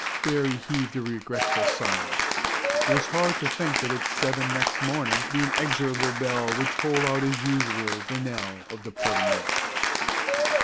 Berry heaved a regretful sigh. It was hard to think that at seven next morning the inexorable bell would toll out as usual the knell of departing night.